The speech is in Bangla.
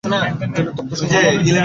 যেন তপ্ত সোনার মতো।